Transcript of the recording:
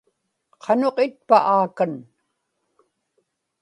qanuq itpa aakan